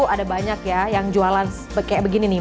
ada banyak ya yang jualan kayak begini nih